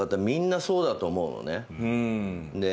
みんなそうだと思うのね。